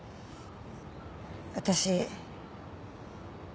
私。